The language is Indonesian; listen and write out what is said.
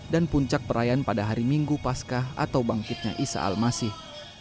dan puncak perayaan pada hari minggu pascah atau bangkitnya isa almasih